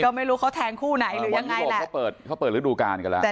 ก็ไม่รู้เขาแทงคู่ไหนหรือยังไงวันโลกเขาเปิดฤดูการกันแล้ว